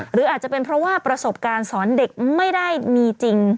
หรืออาจจะเป็นเพราะว่าประสบการณ์สอนเด็กไม่ได้มีจริง